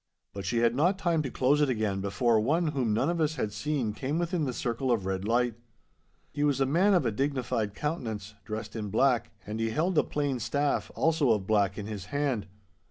But she had not time to close it again before one whom none of us had seen came within the circle of red light. He was a man of a dignified countenance, dressed in black, and he held a plain staff, also of black, in his hand.